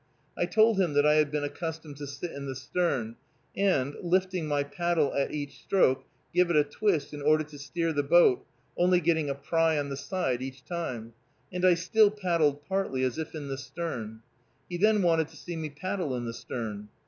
I told him that I had been accustomed to sit in the stern, and, lifting my paddle at each stroke, give it a twist in order to steer the boat, only getting a pry on the side each time, and I still paddled partly as if in the stern. He then wanted to see me paddle in the stern.